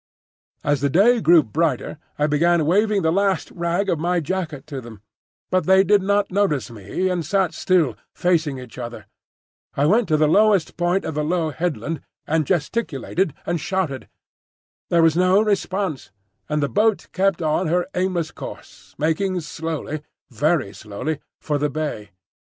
As the day grew brighter, I began waving the last rag of my jacket to them; but they did not notice me, and sat still, facing each other. I went to the lowest point of the low headland, and gesticulated and shouted. There was no response, and the boat kept on her aimless course, making slowly, very slowly, for the bay.